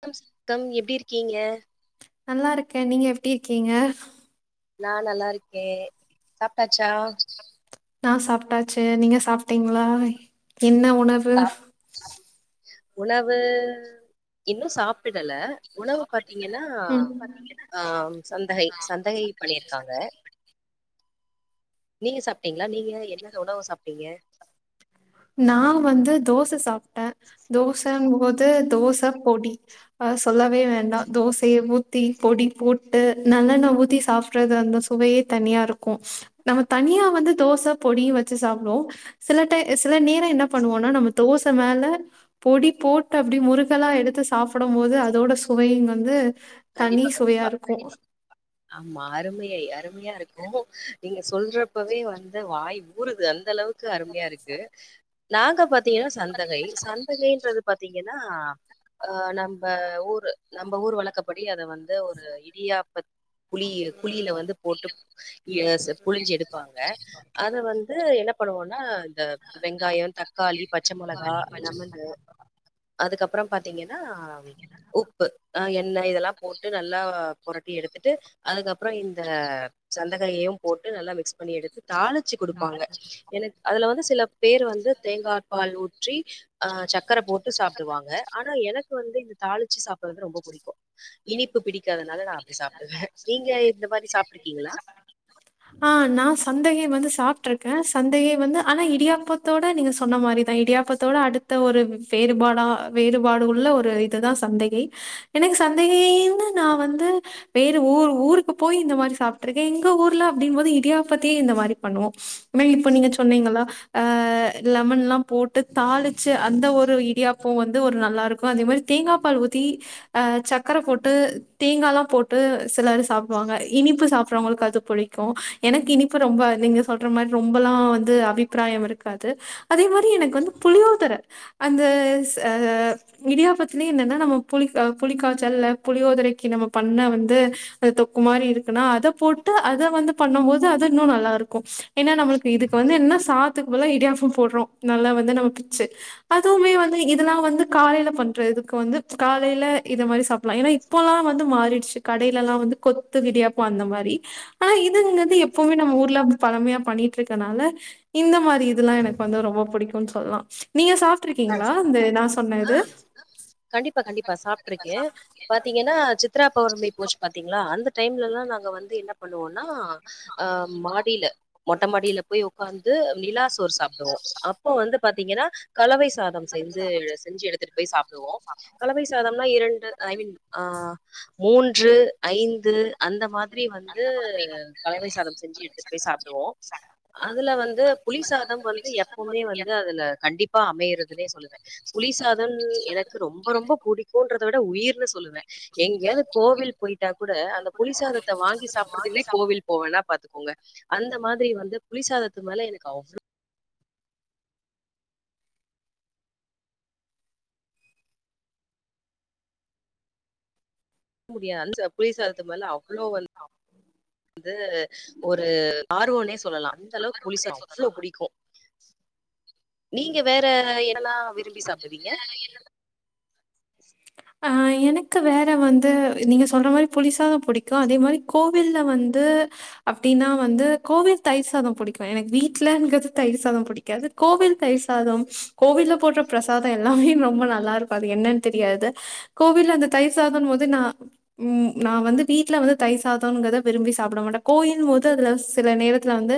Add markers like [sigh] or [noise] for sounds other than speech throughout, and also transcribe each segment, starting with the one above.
சுகம் சுகம் எப்டி இருக்கீங்க நல்லா இருக்கே நீங்க எப்டி இருக்கீங்க நா நல்லா இருக்கே சாப்ட்டாச்சா நா சாப்ட்டாச்சு நீங்க சாப்பிட்டீங்களா என்ன உணவு சாப் உணவு இன்னு சாப்பிடல உணவு பாத்தீங்கன்னா ம் ஆ சந்தை சந்தை பண்ணியிருக்காங்க நீங்க சாப்பிட்டீங்களா நீங்க என்ன என்ன உணவு சாப்ட்டீங்க நா வந்து தோச சாப்ட்டே தோசன்னு போது தோச பொடி ஆ சொல்லவே வேண்டா தோசயே ஊத்தி பொடி போட்டு நல்லெண்ண ஊத்தி சாப்படுறதா இருந்தா சுவையே தனியா இருக்கு நம்ம தனியா வந்து தோச பொடிய வச்சு சாப்பிடுவோ சில டை சில நேரோ என்ன பண்ணுவோன்னா நம்ம தோச மேல பொடி போட்டு அப்டி முருகெல்லா எடுத்து சாப்பிடும் போது அதோட சுவை வந்து தனி கண்டிப்பா சுவையா கண்டிப்பா இருக்கு [inaudible] ஆமா அருமையை அருமையா இருக்கு நீங்க சொல்றப்பவே வந்து வாய் ஊருது அந்த அளவுக்கு க்கு அருமையா இருக்கு நாங்க பாத்தீங்கன்னா சந்தகை சந்தகைன்றது பாதீங்கன்னா நம்ப ஊர் நம்ப ஊர் வளக்க படி அத வந்து ஒரு இடியாப்ப குளியில வந்து போட்டு ய செ புழிஞ்சு எடுப்பாங்க அத வந்து என்ன பண்ணுவோன்னா இந்த வெங்காயோ தக்காளி பச்ச மொளகா லெமன் அதுக்கப்பறோ பாத்தீங்கன்னா உப்பு ஆ எண்ணெய் இதெல்லா போட்டு நல்லா பொரட்டி எடுத்துட்டு அதுக்கப்பறோ இந்த சந்தகையையும் போட்டு நல்லா மிக்ஸ் பண்ணி எடுத்து தாளு ச்சு குடுப்பாங்க எனக்கு அதுல வந்து சில பேர் வந்து தேங்காபால் ஊற்றி ஆ சக்கர போட்டு சாப்டுவாங்க ஆனா எனக்கு வந்து இந்த தாளிச்சி சாப்பிடுறது ரொம்ப புடிக்கும் இனிப்பு பிடிக்காதனால நா அப்டி சாப்டுவே நீங்க இந்த மாரி சாப்ட்ருக்கீங்களா ஆ நா சந்தகை வந்து சாப்ட்டுருக்கே சந்தையை வந்து ஆனா இடியாப்பத்தோட நீங்க சொன்ன மாரி தா இடியாப்பத்தோட அடுத்த ஒரு வேறுபாடா வேறுபாடு உள்ள ஒரு இதுதா சந்தகை எனக்கு சந்தேகந்து நா வந்து வேற ஊர் ஊருக்கு போய் இந்த மாரி சாப்பிட்டு இருக்கே எங்க ஊர்ல அப்டின்னும்போது இடியாப்பத்தயே இந்த மாரி பண்ணுவோ மே இப்போ நீங்க சொன்னீங்களா ஆ லெமன் எல்லாம் போட்டு தாளிச்சு அந்த ஒரு இடியாப்ப ப்ப வந்து ஒரு நல்லா இருக்கும் அதே மாரி தேங்கா பால் ஊத்தி ஆ சக்கர போட்டு தேங்கால்லாம் ட்டு சில சாப்டுவாங்க இனிப்பு சாப் ப்புறவங்களுக்கு அது புடிக்கும் எனக்கு இனிப்ப ரொம்ப நீங்க சொல்ற மாரி ரொம்பல்லா வந்து அபிப்பிராயம் இருக்காது அதே மாரி எனக்கு வந்து புளியோதர அந்த ஸ் ஆ இடியாப்பத்திலயே என்னன்னா நம்ம புளி ஆ புளி காய்ச்சல்ல புளியோதரைக்கு நம்ம பண்ண வந்து அந்த தொக்கு மாரி இருக்குன்னா அத போட்டு அத வந்து பண்ணம் போது அது இன்னும் நல்லா இருக்கும் ஏன்னா நம்மளுக்கு இதுக்கு வந்து என்னா சாத்துக்கு போல இடியாப்பும் போடுறோ நல்லா வந்து நம்ம பச்சு அதுவுமே வந்து இதெல்லா வந்து காலையில பண்ற இதுக்கு வந்து காலையில இத மாரி சாப்பில்லாம் ஏன்னா இப்போல்லாம் வந்து மாறிடுச்சு கடையிலல்லா வந்து கொத்து இடியாப்போ அந்த மாரி ஆனா இதுங்கிறது எப்பவுமே நம்ம ஊர்ல பழமையா பண்ணிட்டு இருக்கனால இந்த மாரி இதெல்லா எனக்கு வந்து ரொம்ப பிடிக்குன்னு சொல்லலா நீங்க சாப் அ ப்ட்ருக்கீங்களா இந்த நா சொன்ன ஆ இது கண்டிப்பா, கண்டிப்பா. ஆ கண்டிப்பா சாப்ட்டுருக்கேன். சாப்ட்டுருக்கே பாத்தீங்கன்னா சித்ரா பௌர்ணமி போஸ்ட் பாத்தீங்களா அந்த டைம்ல எல்லாம் நாங்க வந்து என்ன பண்ணுவோன்னா ஆ மாடில மொட்ட மாடில போய் உக்காந்து நிலாசோர் சாப் ட்டோ அப்ப வந்து பாத்தீங்கன்னா கலவை சாதம் செய்து செஞ்சு எடுத்துட்டு போய் சாப்பிடுவோ கலவை சாதம்னா இரண்டு ஐ மீன் ஆ மூன்று ஐந்து அந்த மாதிரி வந்து கலவை சாதம் செஞ்சு எடுத்துட்டு போய் சாப்டுவோ அதுல வந்து புளிசாதம் வந்து எப்பவுமே வந்து அதுல கண்டிப்பா அமையறது சொல்லுவே புளிசாதன் எனக்கு ரொம்ப ரொம்ப புடிக்குன்றத விட உயிர்ன்னு சொ சொல்லுவே எங்கயா து கோவில் போயிட்டா கூட அந்த புளிசாதத்த வாங்கி சாப்பறத்துக்குன்னே கோவில் போவேனா பாத்துக்கோங்க அந்த மாதிரி வந்து புளிசாதத்து மேல எனக்கு அவ்ளோ கூடிய அந்த புளி சாதத்து மேல அவ்ளோ வந்து வந்து ஒரு ஆர்வோனே செல்லலா அந்த அளவு புளிசாதோ அவ்ளோ புடிக்கோ நீங்க வேற என்னலா விரும்பி சாப்டுவீங்க ஏன்னா ஆ எனக்கு வேற வந்து நீங்க சொல்ற மாரி புளி சாதோ புடிக்கும் அதேமாரி கோவில்ல வந்து அப்டினா வந்து கோவில் தயிர் சாதம் புடிக்கு எனக் வீட்டுலங்குறது தயிர் சாதம் புடிக் க்காது கோவில் தயிர் சாதம் கோவில்ல போட்ற பிரசாதம் எல்லமே ரெம்பா நல்ல இருக்கு அது என்னன் தெரியது கோவில்ல அந்த தயிர் சாதன்மோது நா ம் நா வந்து வீட்ல வந்து தயிர் சாதங்கத விரும்பி சாப்ட மாட்ட கோயின் மோது அதுல சில நேரத்லுல வந்து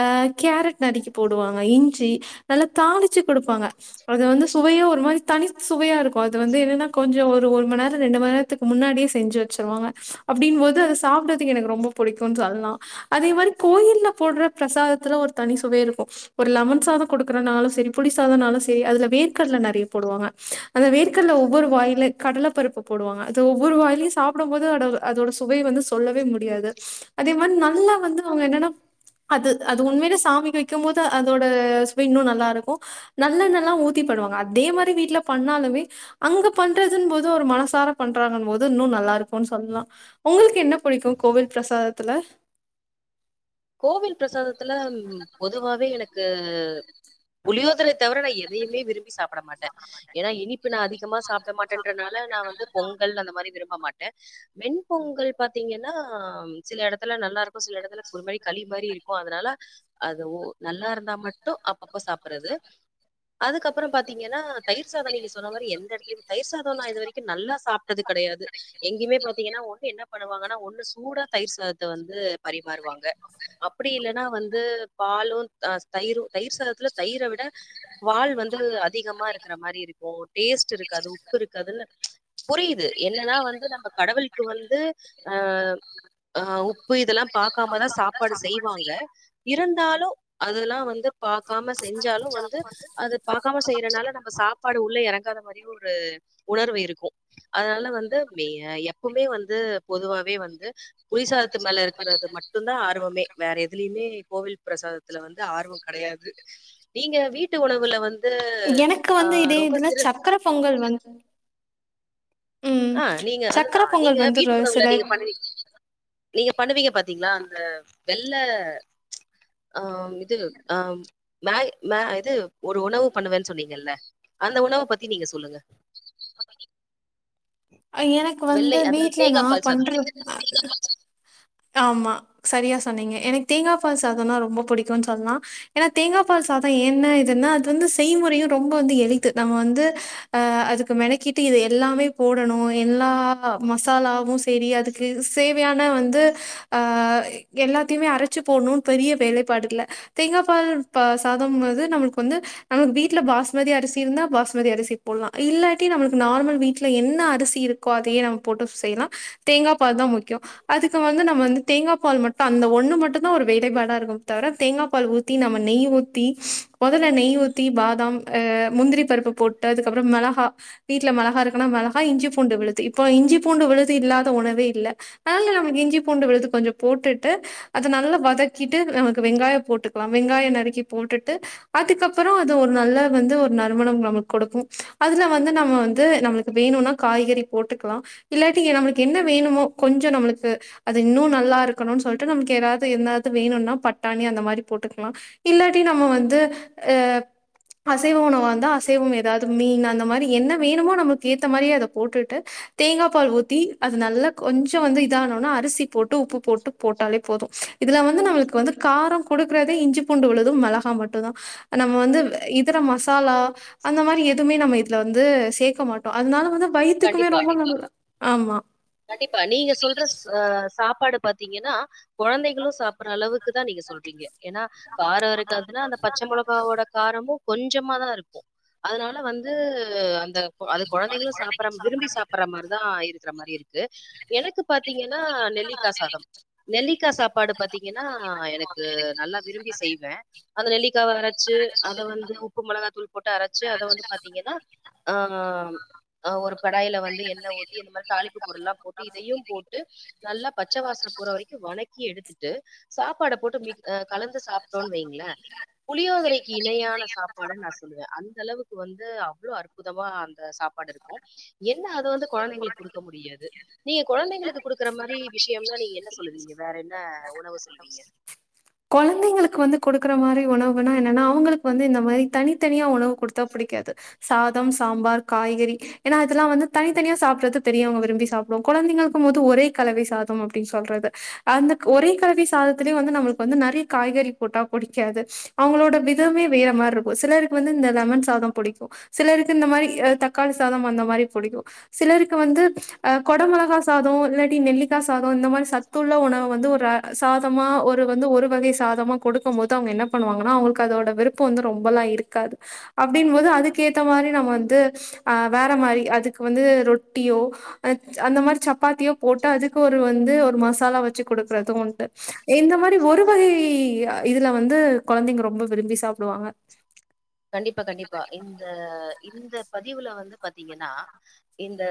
அ கேரட் நறுக்கி போடுவாங்க இஞ்சி நல்ல தாளிச்சி குடுப்பாங்க அது வந்து சுவையே ஒரு மாரி தனி சுவையா இருக் போது வந்து என்னனா கொஞ்சோ ஒரு ஒர் மண்நேரம் இரண்டு மண் நேரத்துக்கு முன்னாடியே செஞ்சி வச்சிருக்கங்க அப்டிங்ம்மோது சாப்புடதுக்கு எனக்கு ரொம்ப புடிக்கு சொல்லலா அதே மாரி கோயில்ல போட்ற பிரசாதத்துல ஒரு தனி சுவை இருக்கு ஒரு லெமன் சாதம் குடுக்குறனலு செரி புளி சாதம்னாலு செரி அதல வேர்கடல நறைய போடுவாங்க அந்த வேர்கட்ல ஒவ்வொரு வாயில கடல பருப்பு போடுவாங்க அது ஒவ்வெரு வாயிலயு சாப்டம்மோது அட அதேட சுவை வந்து சொல்லவே முடியது அதே மாரி நல்ல வந்து அவுங்க என்னன்னா அது அது உண்மலே சாமிக்கு வக்கம்மோது அதோட சுவை இன்னு நல்லாருக்கு நல்லெண்ணலா ஊத்தி பண்ணுவாங்க அதே மாறி வீட்ல பண்ணலுமே அங்க பண்றன் மோது ஒரு மனசார பண்றாங்கன் மோது இன்னு நல்லாருக்குன் சொல்லா உங்களுக்கு என்ன புடிக்கு கோவில் பிரசாதத்துல கோவில் பிரசாத்துல பொதுவாவே எனக்கு புளியேதரை தவர நா எதையுமே விரும்பி சாப்ட மாட்ட எனா இனிப்பு நா அதிகமா சாப் ட மாட்டன்றனால நா வந்து பொங்கல் அந்த மாரி விரும்பி மாட் ட வெண் பொங்கல் பாத்திங்கன்னா சில எடத்துல நல்லருக்கு சில எடத்துல ஒரு மாரி களி மாரி இருக்கு அதனால அதுவே ஒ நல்லா இருந்தா மட்டு அப்பப்ப சாப்றது அதுக்கப்பறே பாத்திங்கனா தயிர் சாதோ நீங்க சென்னமாரி எந்த எடத்லிம் தயிர் சாதோ நா இது வரைக்கு நல்லா சாப்டது கடையது எங்கியுமே பாத்திங்கனா ஒன்னு என்ன பண்ணுவாங்கன்னா ஒன்னு சூடா தயிர் சாதத்த வந்து பரிமாறுவாங் க அப்டி இல்லனா வந்து பாலு அ தயிரு தயிர் சாத்ததுல தயிர விட வால் வந்து அதிகமா இருக்குறமாறி இருக்கு டேஸ்ட் இருக்காது உப்பு இருக்காதுல புரியது என்னன்னா வந்து நம்ப கடவுளுக்கு இப்ப வந்து ஆ ஆ உப்பு இதல்லா பாக்கமதா சாப்பாடு செய்வாங்க இருந்தாலு அதல்லா வந்து பாக்கம செஞ்சாலு வந்து அத பாக்கம செய்றனால நம்ம சாப்பாடு உள்ள எறங்காத மாரி ஒரு உணர்வு இருக்கு அதானல வந்து மே எப்பேமே வந்து பொதுவாவே வந்து புளிசாத் த்துமேல இருக்குறது மட் ஆ ஆர்வமே வேற எதுலியுமே கோவில் பிரசாத்துல வந்து ஆர்வோ கடையது நீங்க வீட்டு உணவுல வந் எனக்கு வந்து இதே இதுன்னா சக்கர பொங்கல் வந்து ம். ஆ நீங்க சக்கர அதுதா நீங்க பொங்கல் வந்து ர வீட்டுக்குள்ள உள்ள சில நீங்க பண்ணுவி நீங்க பண்ணுவிங்க பாத்திங்களா அந்த வெள்ள ஆ மிது ஆம் மேகி மே இது ஒரு உணவு பண்ணுவே சொன்னிங்கல்ல அந்த உணவு பத்தி நீங்க சொல்லுங்க ஆ வெள்ளை எனக்கு அதாவது வீட்ல நா தேங்கா பால் பன்ற சாதம். [unintelligible] ஆமா சாரியா சொன்னிங்க எனக் தோங் கா பால் சாதோன்னா ரெம்பா புடிக்குன் சொல்லா எனா தோங்க பால் சாதோ என்ன இதுன்னா அது வந்து செய்முறையு ரொம்ப வந்து எளித்து நம்ம வந்து அ அதுக்கு மெனக்கிட்டு இது எல்லாமே போ டனு எல்லா மசாலாவு சரி அதுக்கு சேவையான வந்து அ எல்லாத்தையுமே அரச்சு போட்ணுன் பெரிய வேலைப்பாடு இல்ல தேங்கா பால் இப்ப சாதம் வந்து நம்மளுக்கு வந்து நமக்கு வீட்ல பாஸ்மதி அரிசி இருந்தா பாஸ்மதி அரிசி போட்லா இல்லாட்டி நம்மளுக்கு நார்மல் வீட்ல என் ன அரிசி இருக்கோ அதையே நம்ம போட்டு செய்யலா தேங்கா பால்தா முக்கியோ அதுக்கு வந்து நம்ம வந்து தேங்கா பால் மட்டு அந்த ஒன்னு மட்டுதா ஒரு வேலைப்பாடா இருக்குமே தவர தேங்கா பால் ஊத்தி தி நம்ம நெய் ஊத்தி மொதல்ல நெய் ஊத்தி பாதம் ஆ முந்திரி பருப்ப போட்டு அதுக்கு அப்புறோ மெளகா வீட்ல மெளகா இருக்குன்னா மெளகா இஞ்சி பூண்டு விழுது இப்போ இஞ்சி பூண்டு விழுது இல்லாத உணவே இல்ல அதனால நம்ம இஞ்சி பூண்டு விழுது கொஞ்சோ போட்டுட்டு அத நல்லா வதக்கிட்டு நமக்கு வெங்காயோ போட்டுக்லா வெங்காயோ நறுக்கி போட்டுட்டு அதுக்கப்புறோ அது ஒரு நல்ல வந்து ஒரு நறுமணம் நம்மளுக்கு கொடுக்கு அதுல வந்து நம்ம வந்து நம்மளுக்கு வேணுனா காய்கறி போட்டுக்கலா இல்லாட்டி நம்மளுக்கு என்ன வேணுமோ கொஞ்சோ நம்மளுக்கு அது இன்னு நல்லா இருக்கணுன் சொல்ட்டு நமக்கு எதாது எதுனாது வேணுனா பட்டாணி அந்த மாரி போட்டுக்கலா இல்லாட்டி நம்ம வந்து ஆ அசைவோ உணவாந்தா அசைவோ எதாது மீன் அந்த மாரி என்ன வேணுமோ நம்மக் கேத்த மாரியே அத போட்டுட்டு தேங்கா பால் ஊத்தி அது நல்லா கொஞ்சோ வந்து இதானோன அரிசி போட்டு உப்பு போட்டு போட்டாலே போது இதுல வந்து நம்மளுக்கு வந்து காரோ குடுக்குறதே இஞ்சி பூண்டு உழுது மெளகா மட்டுதா நம்ம வந்து இதர மசாலா அந்த மாரி எதுமே நம்ம இதுல வந்து சேக்க மாட் அதனால வந்து வயித்துக்குமே கண்டிப்பா. ரொம்ப நல்ல ஆமா கண்டிப்பா நீங்க சொல்ற ஆ சாப்பாடு பாத்தீங்கன்னா கொழந்தைகளு சாப்புட்ற அளவுக்குதா நீங்க சொல்றீங்க எனா காரோ இருக்காதுன்னா அந்த பச்ச மொளகாவோட காரமு கொஞ்சமாதா இருக்கு அதனால வந்து அந்த அது கொழந்தைங்களு சாப்பட்ற விரும்பி சாப்பட்ற மாரிதா இருக்கிற மாரி இருக்கு எனக்கு பாத்தீங்கன்னா நெல்லிகா சாதோ நெல்லிக்கா சாப்பாடு பாத்தீங்கன்னா எனக்கு நல்லா விரும்பி செய்வே அந்த நெல்லிக்காவ அரச்சு அத வந்து உப்பு மொளகா தூள் போட்டு அரச்சு அத வந்து பாத்தீங்கன்னா ஆ அ ஒரு கடாயில வந்து எண்ணெ ஊத்தி இந்த மாரி தாளிக் பொருல்லா போட்டு இதையு போட்டு நல்லா பச்ச வாசன போற வரிக்கு வணக்கி எடுத்துட்டு சாப்பாட போட்டு மிக் அ கலந்து சாப் றோ வைங்கள புளியோதரைக்கு இணையான சாப்பாடு நா சொல்லுவே அந்த அளவுக் வந்து அவ்ளோ அற்புதமா அந்த சாப்பாடு இருக்கு என்ன அது வந்து கொழந்தைங்களுக்கு குடுக்க முடியாது நீங்க கொழந்தைங்களுக்கு குடுக்குற மாரி விஷயம்லா நீங்க என்ன சொல்லுவீங்க வேற என்ன உணவு சொல்லுவீங்க கொழந்தைங்களுக் கு வந்து கொடுக்குற மாரி உணவுனா என்னன்னா அவுங்களுக்கு வந்து இந்த மாரி தனித்தனியா உணவு குடுத்தா புடிக்காது சாதம் சாம்பார் காய்கறி எனா இதெல்லா வந்து தனித்தனியா சாப்பிறது பெரியோங்க விரும்பி சாப்டுவோ கொழந்தைங்கக்கும்போது ஒரே கலவை சாதம் அப்டின் சொல்றது அந்த ஒரே கலவி சாதத்திலயு வந்து நம்ளுக் வந்து நறைய காய்கறி போட்டா புடிக்காது அவுங்களோட விதமே வேற மாரி இருக்கு சிலருக் வந்து இந்த லெமன் சாதம் புடிக்கு சிலருக்கு இந்த மாரி தக்காளி சாதம் அந்த மாரி புடிக்கு சிலருக்கு வந்து அ கொட மொளகா சாதோ இல்லாட்டி நெல்லிக்கா சாதோ இந்த மாரி சத்துள்ள உணவு வந்து ஒரு சாதமா ஒரு வந்து ஒரு வகை சாதமா கொடுக்கும்போது அவுங்க என்ன பண்ணுவாங்கன்னா அவுங்களுக்கு அதோட வெருப்பு வந்து ரொம்பல்லா இருக்காது அப்டின் போது அதுக்கு ஏத்த மாரி நம்ம வந்து ஆ வேற மாரி அதுக்கு வந்து ரொட்டியோ அந்த மாரி சப்பாத்தியோ போட்டு அதுக்கு ஒரு வந்து ஒரு மசாலா வெச் வெச்சு குடுக்றதும் உண்டு இந்த மாரி ஒரு வகை இ இதுல வந்து கொழந்தைங்க ரொம்ப விரும்பி சாப்புடுவாங்க கண்டிப்பா கண்டிப்பா இந்த இந்த பதிவுல வந்து பாத்தீங்கனா இந்த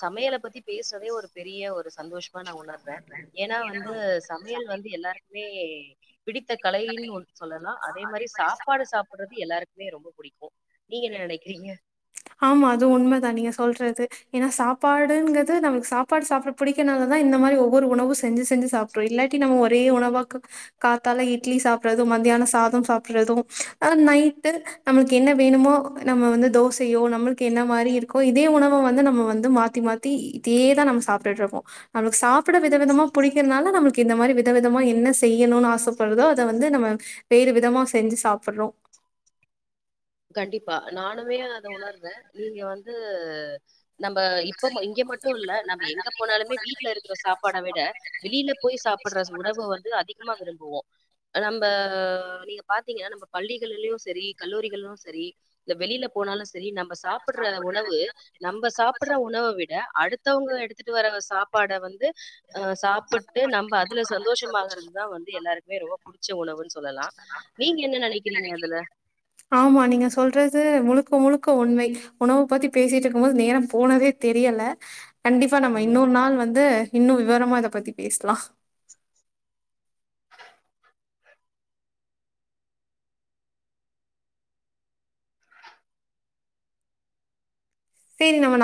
சமையல பத்தி பேசவே ஒரு பெரிய ஒரு சந்தோஷ் மா நா உணர்ற ஏனா வந்து சமையல் வந்து எல்லாருக்குமே பிடித்த கலைன்னு ஒன் சொல்லலா அதே மாரி சாப்பாடு சாப்புறது எல்லாருக் மே ரொம்ப புடிக்கு நீங்க என்ன நெனைக்கிறீங்க ஆமா அது உண்மதா நீங்க சொல்றது ஏனா சாப்பாடுங்குது நமக் சாப்பாடு சாப்ட புடிக்குனாலதா இந்த மாரி ஒவ்வொரு உணவு செஞ்சு செஞ்சு சாப் கு இல்லாட்டி நம்ம ஒரே உணவாக்கு காத்தால இட்லி சாப்புறது மதியானோ சாதோ சாப்புறது ஆனா நைட்டு நம்ளுக் என்ன வேணும்மோ நம்ம வந்து தோச செயோ நம்ளுக்கு என்ன மாரி இருக்கோ இதே உணவோ வந்து நம்ம வந்து மாத்தி மாத்தி இதே தா நம் சாப்புட்ருக்கோ நம்ளுக்கு சாப்பாட வித விதமா புடிக்கிதுனால நம்ளுக்கு இந்த மாரி விதவிதமா என்ன செய்யணும்னு ஆசைப்படுறதோ அத வந்து நம்ம வேறு விதமா செஞ்சு சாப்புட்றோ கண்டிப்பா நானுமே அத உணர்ந்தே நீங்க வந்து நம்ம இப்ப இங்க மட்டு இல்ல நம்ம எங்க போனாலுமே வீட்ல இருக்கிற சாப்பாட விட வெளில போயி சாப்புற உணவ வந்து அதிகமா விரும்புவோ நம்ம நீங்க பாத்தீங்கனா நம்ம பள்ளிகளிலயு சரி கல்லூரிகளிலு சரி சரி இந்த வெளில போனாலு சரி நம்ப சாப்புட்ற உணவு நம்ப சாப்புற உணவ விட அடுத்தவங்க எடுத்துட் வர்ற சாப்பாட வந்து ஹ சாப்புட்டு நம்ம அதுல சந்தோஷமாகுறது தா வந்து எல்லாருக்குமே ரொம்ப புடிச்ச உணவுன்னு சொல்லலா நீங்க என்ன நெனைக்கிறீங்க அதுல ஆமா நீங்க சொல்றது முழுக்க முழுக்க உண்மை உணவ பத்தி பேசிட்டு இருக்கும் போது நேரோ போனதே தெரியல கண்டிப்பா நம்ம ம் இன்னொரு நாள் வந்து இன்னோ விவரமா இத பத்தி பேசலா சேரி நம்ம நா